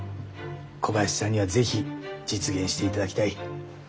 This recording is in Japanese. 小林さんには是非実現していただきたい。